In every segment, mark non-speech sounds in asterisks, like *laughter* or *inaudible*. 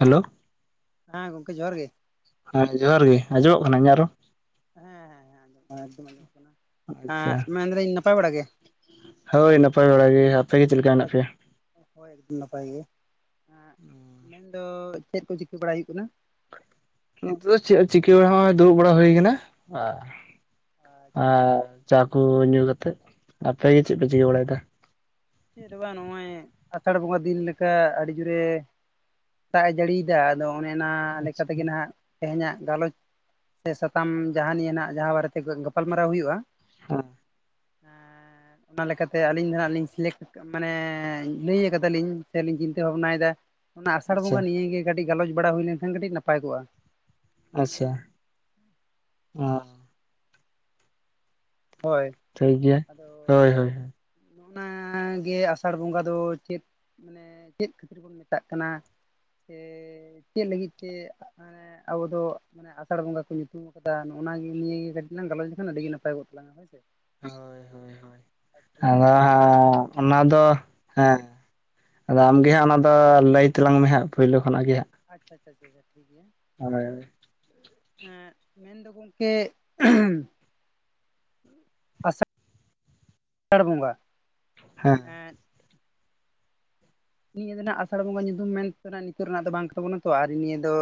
Hello ᱦᱮᱸ ᱜᱚᱝᱠᱮ ᱡᱚᱦᱟᱨ ᱜᱮ ᱦᱮᱸ ᱡᱚᱦᱟᱨ ᱜᱮ ᱟᱸᱡᱚᱢᱚᱜ ᱠᱟᱱᱟ ᱤᱧᱟᱜ ᱨᱚᱲ ᱦᱮᱸ ᱦᱮᱸ ᱦᱮᱸ ᱟᱸᱡᱚᱢᱚᱜ ᱠᱟᱱᱟ ᱟᱪᱪᱷᱟ ᱦᱮᱸ ᱢᱮᱱ ᱮᱫᱟᱞᱤᱧ ᱱᱟᱯᱟᱭ ᱵᱟᱲᱟ ᱜᱮ ᱦᱳᱭ ᱱᱟᱯᱟᱭ ᱵᱟᱲᱟ ᱜᱮ ᱟᱯᱮ ᱜᱮ ᱪᱮᱫ ᱞᱮᱠᱟ ᱢᱮᱱᱟᱜ ᱯᱮᱭᱟ? ᱦᱳᱭ ᱮᱠᱫᱚᱢ ᱱᱟᱯᱟᱭ ᱜᱮ ᱢᱮᱱᱫᱚ ᱪᱮᱫ ᱠᱚ ᱪᱤᱠᱟᱹ ᱵᱟᱲᱟᱭ ᱦᱩᱭᱩᱜ ᱠᱟᱱᱟ ᱱᱤᱛᱚᱜ ᱫᱚ ᱪᱮᱫ ᱪᱤᱠᱟᱹ ᱵᱟᱲᱟ ᱱᱚᱸᱜᱚᱭ ᱫᱩᱲᱩᱵ ᱵᱟᱲᱟ ᱦᱩᱭ ᱟᱠᱟᱱᱟ ᱟᱨ ᱪᱟ ᱠᱚ ᱧᱩ ᱠᱟᱛᱮᱫ ᱟᱯᱮ ᱜᱮ ᱪᱮᱫ ᱯᱮ ᱪᱤᱠᱟᱹ ᱵᱟᱲᱟᱭᱮᱫᱟ ᱪᱮᱫ ᱦᱚ ᱵᱟᱝ ᱱᱚᱜᱼᱚᱭ ᱟᱥᱟᱲ ᱵᱚᱸᱜᱟ ᱫᱤᱱ ᱞᱮᱠᱟ ᱟᱹᱰᱤ ᱡᱳᱨᱮ ᱫᱟᱜ ᱮ ᱡᱟᱹᱲᱤ ᱮᱫᱟ ᱟᱫᱚ ᱚᱱᱮ ᱚᱱᱟ ᱞᱮᱠᱟ ᱛᱮᱜᱮ ᱱᱟᱦᱱᱟᱜ ᱛᱮᱦᱮᱧᱟᱜ ᱜᱟᱞᱚᱪ ᱥᱮ ᱥᱟᱛᱟᱢ ᱡᱟᱦᱟᱸ ᱱᱤᱭᱟᱹ ᱱᱟᱜ ᱡᱟᱦᱟᱸ ᱵᱟᱨᱮᱛᱮ ᱜᱟᱯᱟᱞᱢᱟᱨᱟᱣ ᱦᱩᱭᱩᱜ-ᱟ ᱦᱩᱸ ᱚᱱᱟ ᱞᱮᱠᱟᱛᱮ ᱟᱹᱞᱤᱧ ᱫᱚ ᱦᱟᱜ ᱞᱤᱧ ᱥᱤᱞᱮᱠᱴ ᱢᱟᱱᱮ ᱞᱟᱹᱭ ᱟᱠᱟᱫᱟᱞᱤᱧ ᱥᱮ ᱞᱤᱧ ᱪᱤᱱᱛᱟᱹ ᱵᱷᱟᱵᱱᱟᱭᱮᱫᱟ ᱚᱱᱟ ᱟᱥᱟᱲ ᱟᱪᱪᱷᱟ ᱵᱚᱸᱜᱟ ᱱᱤᱭᱟᱹᱜᱮ ᱠᱟᱹᱴᱤᱡ ᱜᱟᱞᱚᱪ ᱵᱟᱲᱟ ᱦᱩᱭ ᱞᱮᱱᱠᱷᱟᱱ ᱠᱟᱹᱴᱤᱡ ᱱᱟᱯᱟᱭ ᱠᱚᱜ-ᱟ ᱟᱪᱪᱷᱟ ᱟᱸᱻ ᱦᱳᱭ ᱴᱷᱤᱠ ᱜᱮᱭᱟ ᱦᱳᱭ ᱦᱳᱭ ᱟᱫᱚ ᱦᱳᱭ ᱚᱱᱟᱜᱮ ᱟᱥᱟᱲ ᱵᱚᱸᱜᱟ ᱫᱚ ᱪᱮᱫ? ᱢᱟᱱᱮ ᱪᱮᱫ ᱠᱷᱟᱹᱛᱤᱨ ᱵᱚᱱ ᱢᱮᱛᱟᱜ ᱠᱟᱱᱟ ᱥᱮ ᱪᱮᱫ ᱞᱟᱹᱜᱤᱫ ᱛᱮ? ᱢᱟᱱᱮ ᱟᱵᱚᱫᱚ ᱢᱟᱱᱮ ᱟᱥᱟᱲ ᱵᱚᱸᱜᱟ ᱠᱚ ᱧᱩᱛᱩᱢ ᱟᱠᱟᱫᱟ ᱱᱚᱜᱱᱟᱜᱮ ᱱᱤᱭᱟᱹᱜᱮ ᱠᱟᱹᱴᱤᱡ ᱞᱟᱝ ᱜᱟᱞᱚᱪ ᱞᱮᱠᱷᱟᱱ ᱟᱹᱰᱤ ᱜᱮ ᱱᱟᱯᱟᱭ ᱠᱚᱜ᱾ ᱞᱟᱝᱜᱟ ᱦᱳᱭ ᱥᱮ ᱦᱳᱭ ᱦᱳᱭ ᱦᱳᱭ ᱟᱨ ᱛᱟᱦᱚᱞᱮ ᱚᱱᱮ ᱚᱱᱟ ᱟᱫᱚ *unintelligible* ᱚᱱᱟ ᱫᱚ ᱢᱟ ᱦᱮᱸ ᱟᱫᱚ ᱟᱢᱜᱮ ᱦᱟᱸᱜ ᱚᱱᱟ ᱫᱚ ᱞᱟᱹᱭ ᱛᱟᱞᱟᱝ ᱢᱮ ᱦᱟᱸᱜ ᱯᱳᱭᱞᱳ ᱠᱷᱚᱱᱟᱜ ᱜᱮ ᱦᱟᱸᱜ᱾ ᱟᱪᱪᱷᱟ ᱟᱪᱪᱷᱟ ᱟᱪᱪᱷᱟ ᱴᱷᱤᱠ ᱜᱮᱭᱟ᱾ ᱟ *unintelligible* ᱦᱮᱸ ᱢᱮᱱᱫᱚ ᱜᱚᱢᱠᱮ ᱟᱥᱟᱲ ᱟᱥᱟᱲ ᱵᱚᱸᱜᱟ ᱦᱮᱸ ᱦᱮᱸ ᱱᱤᱭᱟᱹ ᱫᱚ ᱱᱟᱜ ᱟᱥᱟᱲ ᱵᱚᱸᱜᱟ ᱧᱩᱛᱩᱢ ᱢᱮᱱᱛᱮᱱᱟᱜ ᱱᱤᱛᱚᱜ ᱨᱮᱱᱟᱜ ᱫᱚ ᱵᱟᱝ ᱛᱟᱵᱚᱱᱟᱛᱚ ᱟᱨ ᱱᱤᱭᱟᱹ ᱫᱚ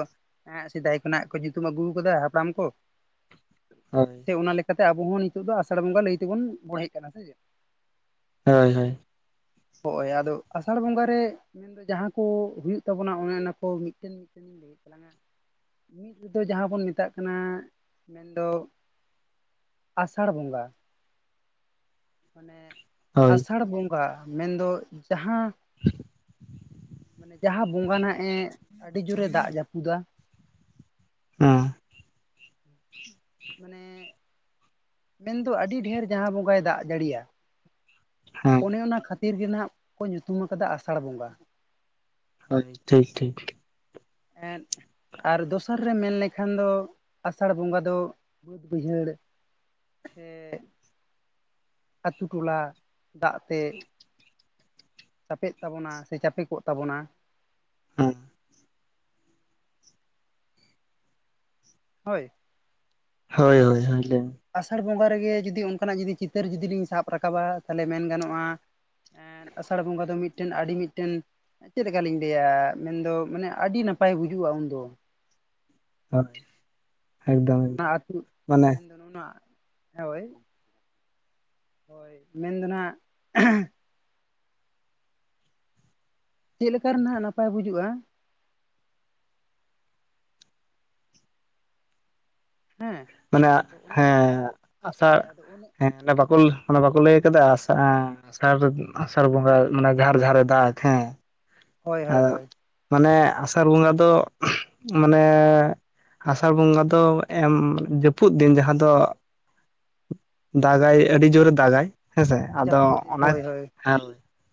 ᱟᱸᱜ ᱥᱮᱫᱟᱭ ᱠᱷᱚᱱᱟᱜ ᱠᱚ ᱧᱩᱛᱩᱢ ᱟᱹᱜᱩ ᱟᱠᱟᱫᱟ ᱦᱟᱯᱲᱟᱢ ᱠᱚ᱾ ᱦᱳᱭ ᱪᱮ ᱚᱱᱟᱠᱟ ᱞᱮᱠᱟᱛᱮ ᱟᱵᱚ ᱦᱚᱸ ᱱᱤᱛᱳᱜ ᱫᱚ ᱟᱥᱟᱲ ᱵᱚᱸᱜᱟ ᱞᱟᱹᱭ ᱛᱮᱵᱚᱱ ᱵᱚᱲᱦᱮ ᱠᱟᱱᱟ ᱥᱮ ᱪᱮᱫ? ᱦᱳᱭ ᱦᱳᱭ ᱦᱚᱜ-ᱚᱭ ᱟᱫᱚ ᱟᱥᱟᱲ ᱵᱚᱸᱜᱟ ᱨᱮ ᱢᱮᱱᱫᱚ ᱡᱟᱦᱟᱸ ᱠᱚ ᱦᱩᱭᱩᱜ ᱛᱟᱵᱚᱱᱟ ᱚᱱᱮ ᱚᱱᱟ ᱠᱚ ᱢᱤᱫᱴᱮᱱ ᱢᱤᱫᱴᱮᱱ *unintelligible* ᱛᱟᱞᱟᱝᱟ ᱢᱤᱫ ᱨᱮᱫᱚ ᱡᱟᱦᱟᱸ ᱵᱚᱱ ᱢᱮᱛᱟᱜ ᱠᱟᱱᱟ ᱢᱮᱱᱫᱚ ᱟᱥᱟᱲ ᱵᱚᱸᱜᱟ ᱢᱟᱱᱮ ᱦᱳᱭ ᱟᱥᱟᱲ ᱵᱚᱸᱜᱟ ᱢᱮᱱᱫᱚ ᱡᱟᱦᱟᱸ ᱢᱟᱱᱮ ᱡᱟᱦᱟᱸ ᱵᱚᱸᱜᱟ ᱱᱟᱜ-ᱮ ᱟᱹᱰᱤ ᱡᱳᱨᱮ ᱫᱟᱜ ᱡᱟᱹᱯᱩᱫᱟ, ᱚᱸ ᱢᱟᱱᱮ ᱢᱮᱱ ᱫᱚ ᱟᱹᱰᱤ ᱰᱷᱮᱨ ᱡᱟᱦᱟᱸ ᱵᱚᱸᱜᱟᱭ ᱫᱟᱜ ᱡᱟᱹᱲᱤᱭᱟ᱾ ᱦᱮᱸ ᱚᱱᱮ ᱚᱱᱟ ᱠᱷᱟᱹᱛᱤᱨ ᱜᱮ ᱠᱚ ᱧᱩᱛᱩᱢ ᱟᱠᱟᱫᱟ ᱟᱥᱟᱲ ᱵᱚᱸᱜᱟ᱾ ᱦᱳᱭ ᱴᱷᱤᱠ ᱴᱷᱤᱠ, ᱮᱸᱫ ᱟᱨ ᱫᱚᱥᱟᱨ ᱨᱮ ᱢᱮᱱ ᱞᱮᱠᱷᱟᱱ ᱫᱚ ᱟᱥᱟᱲᱹ ᱵᱚᱸᱜᱟ ᱫᱚ ᱩᱭᱦᱟᱹᱬ ᱥᱮ ᱟᱛᱳ ᱴᱚᱞᱟ ᱫᱟᱜ ᱛᱮ ᱪᱟᱯᱮᱜ ᱛᱟᱵᱚᱱᱟ ᱥᱮ ᱪᱟᱯᱮ ᱠᱚᱜ ᱛᱟᱵᱚᱱᱟ᱾ *unintelligible* ᱦᱳᱭ ᱦᱳᱭ ᱟᱨ ᱦᱳᱭ ᱦᱳᱭ ᱞᱟᱹᱭ ᱢᱮ ᱟᱥᱟᱲ ᱵᱚᱸᱜᱟ ᱨᱮᱜᱮ ᱡᱩᱫᱤ ᱚᱱᱠᱟᱱᱟᱜ ᱡᱩᱫᱤ ᱪᱤᱛᱟᱹᱨ ᱡᱩᱫᱤ ᱞᱤᱧ ᱥᱟᱵ ᱨᱟᱠᱟᱵᱟ ᱛᱟᱦᱚᱞᱮ ᱢᱮᱱ ᱜᱟᱱᱚᱜᱼᱟ᱾ ᱮᱸᱜ ᱟᱥᱟᱲ ᱵᱚᱸᱜᱟ ᱫᱚ ᱢᱤᱫᱴᱮᱱ ᱟᱹᱰᱤ ᱢᱤᱫᱴᱮᱱ ᱪᱮᱫᱠᱟᱞᱤᱧ ᱞᱟᱹᱭᱟ? ᱢᱮᱱ ᱫᱚ ᱢᱟᱱᱮ ᱟᱹᱰᱤ ᱱᱟᱯᱟᱭ ᱵᱩᱡᱩᱜᱼᱟ ᱩᱱᱫᱚ᱾ *inaudible* ᱮᱠᱫᱚᱢ ᱚᱱᱟ ᱟᱹᱛᱩ ᱢᱟᱱᱮ *unintelligible* ᱦᱳᱭ ᱦᱳᱭ ᱢᱮᱱ ᱫᱚ ᱦᱟᱸᱜ *inaudible* ᱪᱮᱫ ᱞᱮᱠᱟ ᱨᱮ ᱱᱟᱜ ᱱᱟᱯᱟᱭ ᱵᱩᱡᱩᱜᱼᱟ? ᱦᱮᱸ ᱢᱟᱱᱮ ᱛᱚ ᱚᱱᱟ ᱦᱮᱸ ᱟᱥᱟᱲ ᱦᱳᱭ ᱟᱫᱚ ᱚᱱᱮ ᱦᱮᱸ ᱵᱟᱠᱚᱞ ᱚᱱᱮ ᱵᱟᱠᱚ ᱞᱟᱹᱭ ᱠᱮᱫᱟ ᱟᱥᱟ ᱮᱸ ᱟᱥᱟᱲ ᱟᱥᱟᱲ ᱵᱚᱸᱜᱟ ᱢᱟᱱᱮ ᱡᱷᱟᱨ ᱡᱷᱟᱨᱮ ᱫᱟᱜ ᱦᱮᱸ᱾ ᱦᱳᱭ ᱟ ᱦᱳᱭ ᱦᱳᱭ ᱢᱟᱱᱮ ᱟᱥᱟᱲ ᱵᱚᱸᱜᱟ ᱫᱚ ᱢᱟᱱᱮ ᱟᱥᱟᱲ ᱵᱚᱸᱜᱟ ᱫᱚ ᱮᱢ ᱡᱟᱹᱯᱩᱫ ᱫᱤᱱ ᱡᱟᱦᱟᱸ ᱫᱚ ᱫᱟᱜᱟᱭ ᱟᱹᱰᱤ ᱡᱳᱨᱮ ᱫᱟᱜᱟᱭ᱾ ᱦᱮᱸᱥᱮ ᱟᱼᱫᱚ ᱡᱟᱹᱯᱩᱫ ᱫᱤᱱ ᱚᱱᱟᱡ ᱦᱳᱭ ᱦᱳᱭ ᱦᱮᱸ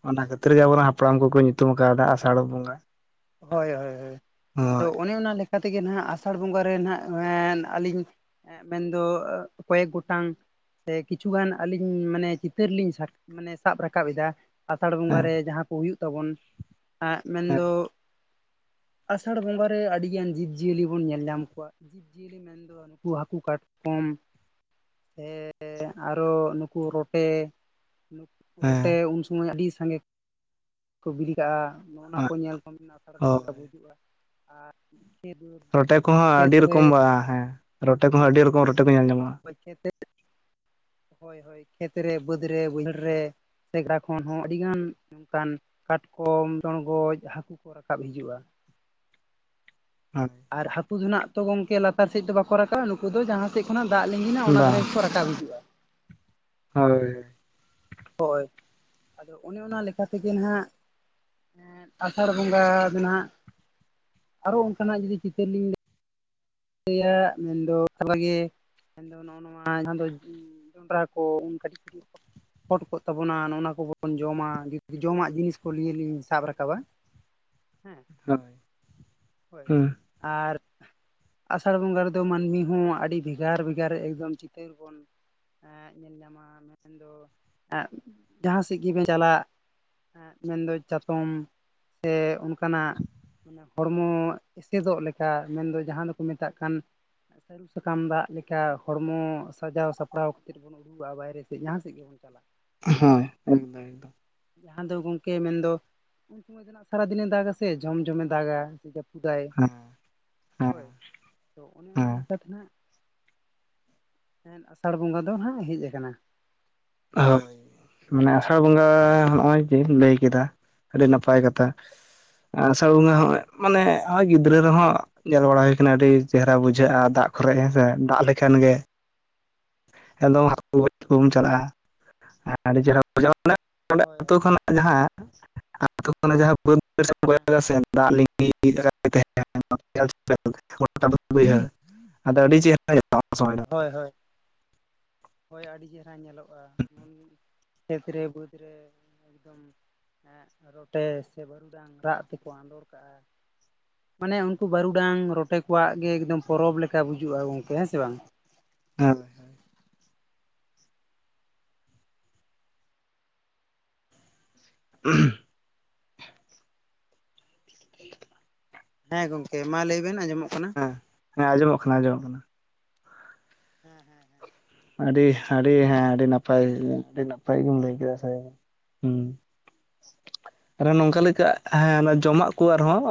ᱚᱱᱟ ᱠᱷᱟᱹᱛᱤᱨ ᱜᱮ ᱟᱵᱚ ᱨᱮᱱ ᱦᱟᱯᱲᱟᱢ ᱠᱚᱠᱚ ᱧᱩᱛᱩᱢ ᱠᱟᱣᱫᱟ ᱟᱥᱟᱲ ᱵᱚᱸᱜᱟ᱾ ᱦᱳᱭᱸ ᱦᱳᱭᱸ ᱦᱳᱭᱸ ᱦᱳᱭᱸ ᱟᱫᱚ ᱦᱳᱭ ᱚᱱᱮ ᱚᱱᱟᱹ ᱞᱮᱠᱟ ᱠᱟ ᱛᱮ ᱜᱮ ᱱᱟᱜ ᱟᱥᱟᱲ ᱵᱚᱸᱜᱟ ᱨᱮᱱ ᱦᱟᱜ ᱟᱹᱞᱤᱧ ᱦᱮᱸ ᱢᱮᱱ ᱫᱚ ᱠᱚᱭᱮᱠ ᱜᱚᱴᱟᱝ ᱥᱮ ᱠᱤᱹᱪᱷᱩᱜᱟᱱ ᱟᱹᱞᱤᱧ ᱢᱟᱹᱱᱮ ᱪᱤᱛᱟᱹᱨ ᱞᱤᱧ ᱢᱟᱱᱮ ᱥᱟᱵ ᱨᱟᱠᱟᱵ ᱮᱫᱟ ᱟᱥᱟᱲ ᱵᱚᱸᱜᱟ ᱦᱮᱸ ᱨᱮ ᱡᱟᱦᱟᱸ ᱠᱚ ᱦᱩᱭᱩᱜ ᱛᱟᱵᱚᱱ ᱢᱮᱱ ᱦᱮᱸ ᱫᱚ ᱟᱥᱟᱲᱹ ᱵᱚᱸᱜᱟ ᱨᱮ ᱟᱹᱰᱤ ᱜᱟᱱ ᱡᱤᱵᱽᱡᱤᱭᱟᱹᱞᱤ ᱵᱚᱱ ᱧᱮᱞ ᱧᱟᱢ ᱠᱚᱣᱟ, ᱡᱤᱵᱽᱡᱤᱭᱟᱹᱞᱤ ᱢᱮᱱ ᱫᱚ ᱱᱩᱠᱩ ᱦᱟᱹᱠᱩ ᱠᱟᱴᱠᱚᱢ ᱥᱮ ᱦᱮᱸ ᱟᱨᱚ ᱱᱩᱠᱩ ᱨᱚᱴᱮ ᱨᱚᱴᱮ ᱦᱮᱸ ᱩᱱ ᱥᱚᱢᱚᱭ ᱟᱹᱰᱤ ᱥᱟᱸᱜᱮ ᱠᱚ ᱵᱤᱞᱤ ᱠᱟᱜᱼᱟ ᱱᱚᱜᱼᱚᱱᱟ ᱠᱚ ᱧᱮᱞ ᱛ ᱢᱮᱱᱟᱜᱼᱟ ᱦᱳᱭ *unintelligible* ᱵᱩᱡᱩᱜᱼᱟ ᱟᱨ ᱨᱚᱴᱮ ᱠᱚᱦᱚᱸ ᱟᱹᱰᱤ ᱨᱚᱠᱚᱢ ᱵᱟ ᱦᱮᱸ, ᱨᱚᱴᱮ ᱠᱚᱦᱚᱸ ᱟᱹᱰᱤ ᱨᱚᱠᱚᱢ ᱨᱚᱴᱮ ᱠᱚ ᱧᱮᱞ ᱧᱟᱢᱚᱜᱼᱟ᱾ *unintelligible* ᱦᱳᱭ ᱦᱳᱭ ᱠᱷᱮᱛ ᱨᱮ ᱵᱟᱹᱫᱽ ᱨᱮ ᱵᱟᱹᱭᱦᱟᱹᱲ ᱨᱮ ᱥᱮᱜᱽᱲᱟ ᱠᱷᱚᱱ ᱦᱚᱸ ᱟᱹᱰᱤ ᱜᱟᱱ ᱚᱝᱠᱟᱱ ᱠᱟᱴᱠᱚᱢ ᱪᱚᱲᱜᱚᱡ ᱦᱟᱹᱠᱩ ᱼᱼ ᱠᱚ ᱨᱟᱠᱟᱵ ᱦᱤᱡᱩᱜᱼᱟ *inaudible* *unintelligible* ᱟᱨ ᱦᱟᱹᱠᱩ ᱫᱚ ᱱᱟᱜ ᱛᱚ ᱜᱚᱝᱹᱠᱮ ᱞᱟᱛᱟᱨ ᱥᱮᱫ ᱫᱚ ᱵᱟᱹᱠᱚ ᱨᱟᱠᱟᱵᱟᱼᱟ ᱱᱩᱠᱩ ᱫᱚ ᱡᱟᱦᱟᱸ ᱥᱮᱫ ᱠᱷᱚᱱᱟᱜ ᱫᱟᱜ ᱞᱤᱜᱤᱱᱟ ᱚᱱᱟ ᱫᱷᱟᱨᱮ ᱵᱟᱝ ᱜᱮ ᱠᱚ ᱨᱟᱠᱟᱵ ᱦᱤᱡᱩᱜᱼᱟ᱾ ᱦᱳᱭ ᱦᱳᱭ ᱟᱫᱚ ᱚᱱᱮ ᱚᱱᱟ ᱞᱮᱠᱟᱛᱮᱜᱮ ᱱᱟᱦᱟᱜ ᱟᱥᱟᱲ ᱵᱚᱸᱜᱟ ᱫᱚᱱᱟᱜ ᱟᱨᱚ ᱚᱱᱠᱟᱱᱟᱜ ᱡᱩᱫᱤ ᱪᱤᱛᱟᱹᱨ ᱞᱤᱧ *unintelligible* ᱢᱮᱱ ᱫᱚ ᱚᱮ *unintelligible* ᱜᱮ ᱫᱚ ᱱᱚᱜᱼᱚ ᱱᱚᱣᱟᱹ ᱡᱟᱦᱟᱸ ᱫᱚ ᱡᱚᱱᱰᱨᱟ ᱠᱚ ᱩᱱ ᱠᱟᱹᱴᱤᱡ ᱠᱟᱹᱴᱤᱡ ᱯᱷᱚᱴ ᱠᱚᱜ ᱛᱟᱵᱚᱱᱟ ᱱᱚ ᱚᱱᱟ ᱠᱚᱵᱚᱱ ᱡᱚᱢᱟ ᱡᱩᱫ ᱡᱚᱢᱟᱜ ᱡᱤᱱᱤᱥ ᱠᱚ ᱞᱤᱭ ᱞᱤᱧ ᱥᱟᱵ ᱨᱟᱠᱟᱵᱟ *inaudible* ᱦᱮᱸ ᱦᱳᱭ ᱦᱳᱭ ᱦᱩᱸ ᱟᱨ ᱟᱥᱟᱲ ᱵᱚᱸᱜᱟ ᱨᱮᱫᱚ ᱢᱟᱹᱱᱢᱤ ᱦᱚᱸ ᱟᱹᱰᱤ ᱵᱷᱮᱜᱟᱨ ᱵᱷᱮᱜᱟᱨ ᱮᱠᱫᱚᱢ ᱪᱤᱛᱟᱹᱨ ᱵᱚᱱ ᱮᱸ ᱧᱮᱞ ᱧᱟᱢᱟ ᱢᱮᱱᱫᱚ ᱮᱸ ᱡᱟᱦᱟᱸ ᱥᱮᱫ ᱜᱮᱵᱮᱱ ᱪᱟᱞᱟᱜ ᱾ ᱢᱮᱱᱫᱚ ᱪᱟᱛᱚᱢ ᱛᱮ ᱚᱱᱠᱟ *unintelligible* ᱦᱚᱲᱢᱚ ᱮᱥᱮᱫᱚᱜ ᱞᱮᱠᱟ ᱢᱮᱱᱫᱚ ᱡᱟᱦᱟᱸ ᱫᱚᱠᱚ ᱢᱮᱛᱟᱜ ᱠᱟᱱ ᱥᱟᱹᱨᱩ ᱥᱟᱠᱟᱢ ᱫᱟᱜ ᱞᱮᱠᱟ ᱦᱚᱲᱢᱚ ᱥᱟᱡᱟᱣ ᱥᱟᱯᱲᱟᱣ *unintelligible* *unintelligible* ᱵᱟᱭᱨᱮ ᱥᱮᱫ ᱡᱟᱦᱟᱸ ᱥᱮᱫ ᱜᱮᱵᱚᱱ ᱪᱟᱞᱟᱜ ᱾ ᱦᱳᱭ ᱮᱠᱫᱚᱢ ᱮᱠᱫᱚᱢ ᱾ ᱡᱟᱦᱟᱸ ᱫᱚ ᱜᱚᱢᱠᱮ ᱢᱮᱱᱫᱚ ᱩᱱ ᱥᱚᱢᱚᱭ ᱫᱚ ᱱᱟᱜ ᱥᱟᱨᱟ ᱫᱤᱱᱮ ᱫᱟᱜᱟᱥᱮ ᱡᱷᱚᱢ ᱡᱷᱚᱢᱮ ᱫᱟᱜᱟ ᱾ ᱦᱮᱸ *unintelligible* ᱦᱮᱸ ᱦᱳᱭ ᱾ ᱛᱚ ᱚᱱᱮ ᱚᱱᱟ ᱦᱮᱸ ᱞᱮᱠᱟᱛᱮ ᱱᱟᱜ ᱟᱥᱟᱲ ᱵᱚᱸᱜᱟ ᱫᱚ ᱱᱟᱜ ᱦᱮᱡ ᱟᱠᱟᱱᱟ ᱾ ᱦᱳᱭ ᱢᱟᱱᱮ ᱟᱥᱟᱲ ᱵᱚᱸᱜᱟ ᱱᱚᱜ ᱚᱭ ᱡᱮ ᱞᱟᱹᱭ ᱦᱳᱭ ᱠᱮᱫᱟ ᱟᱹᱰᱤ ᱱᱟᱯᱟᱭ ᱠᱟᱛᱷᱟ ᱾ ᱟᱥᱟᱲ ᱵᱚᱸᱜᱟ ᱦᱚᱜᱼᱚᱭ ᱢᱟᱱᱮ ᱦᱳᱭ ᱦᱚᱸᱼᱜᱚᱭ ᱜᱤᱫᱽᱨᱟᱹ ᱨᱮᱦᱚᱸ ᱾ ᱧᱮᱞ ᱵᱟᱲᱟ ᱦᱩᱭ ᱠᱟᱱᱟ ᱟᱹᱰᱤ ᱪᱮᱦᱨᱟ ᱵᱩᱡᱷᱟᱹᱜ-ᱟ ᱫᱟᱜ ᱠᱚᱨᱮ ᱦᱮᱸᱥᱮ ᱫᱟᱜ ᱞᱮᱠᱷᱟᱱ ᱜᱮ ᱾ *unintelligible* ᱦᱟᱹᱠᱩ ᱜᱚᱡ ᱠᱚᱢ ᱪᱟᱞᱟᱜ-ᱟ? ᱟᱰᱤ ᱪᱮᱦᱨᱟ ᱵᱩᱡᱷᱟᱹᱣᱼᱟ *unintelligible* ᱦᱳᱭ ᱦᱳᱭ ᱦᱮᱸ *unintelligible* ᱫᱟᱜ ᱞᱤᱸᱜᱤ ᱛᱟᱦᱮᱱ ᱾ *unintelligible* ᱟᱹᱰᱤ ᱪᱮᱦᱨᱟ *unintelligible* ᱦᱳᱭ ᱦᱳᱭ ᱦᱳᱭ, ᱟᱹᱰᱤ ᱪᱮᱦᱨᱟ ᱧᱮᱞᱚᱜ-ᱟ ᱾ ᱠᱷᱮᱛ ᱨᱮ ᱵᱟᱹᱫᱽ ᱨᱮ ᱮᱠᱫᱚᱢ ᱾ ᱨᱚᱴᱮ ᱥᱮ ᱵᱟᱹᱨᱩ ᱰᱟᱝ ᱨᱟᱜ ᱛᱮᱠᱚ ᱟᱸᱫᱳᱲ ᱠᱟᱜᱼᱟ ᱾ ᱢᱟᱱᱮ ᱩᱱᱠᱩ ᱵᱟᱹᱨᱩ ᱰᱟᱝ ᱨᱚᱴᱮ ᱠᱚᱣᱟᱜ ᱜᱮ ᱮᱠᱫᱚᱢ ᱯᱚᱨᱚᱵᱽ ᱞᱮᱠᱟ ᱵᱩᱡᱟᱹᱜᱼᱟ ᱜᱚᱝᱠᱮ ᱦᱮᱸ ᱥᱮᱮ ᱵᱟᱝ? ᱦᱳᱭ ᱦᱳᱭ ᱾ ᱦᱻ *unintelligible* ᱦᱮᱸ ᱜᱚᱢᱠᱮ ᱢᱟ ᱞᱟᱹᱭ ᱵᱮᱱ ᱟᱸᱡᱚᱢᱚᱜ ᱠᱟᱱᱟ ᱾ *unintelligible* ᱦᱮᱸ ᱟᱸᱡᱚᱢᱚᱜ ᱠᱟᱱᱟ ᱟᱸᱡᱚᱢᱚᱜ ᱠᱟᱱᱟ ᱾ ᱦᱮᱸ ᱦᱮᱸ ᱾ ᱟᱹᱰᱤ ᱟᱹᱰᱤ ᱦᱮᱸ ᱟᱹᱰᱤ ᱱᱟᱯᱟᱭ ᱟᱹᱰᱤ ᱱᱟᱯᱟᱭ ᱜᱮᱢ ᱞᱟᱹᱭ ᱠᱮᱫᱟ ᱥᱮ ᱾ ᱦᱩᱸ ᱟᱨ ᱱᱚᱝᱠᱟ ᱞᱮᱠᱟ ᱦᱮᱸ ᱡᱚᱢᱟᱜ ᱠᱚ ᱟᱨᱦᱚᱸ ᱾